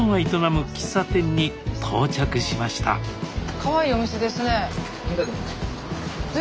かわいいお店ですね。